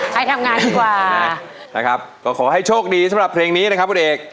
ให้ทำงานดีกว่านะครับก็ขอให้โชคดีสำหรับเพลงนี้นะครับคุณเอก